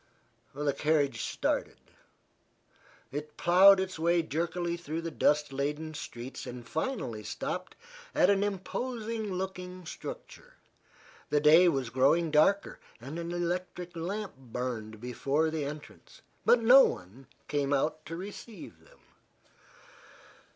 The carriage started. It plowed its way jerkily through the dust laden streets and finally stopped at an imposing looking structure. The day was growing darker, and an electric lamp burned before the entrance. But no one came out to receive them.